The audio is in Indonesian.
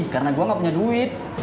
karena gua gak punya duit